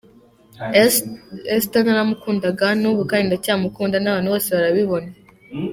Esther naramukundaga, n’ubu kandi ndacyamukunda, n’abantu bose babibona.